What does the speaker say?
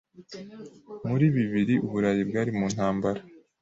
Muri bibiri, Uburayi bwari mu ntambara.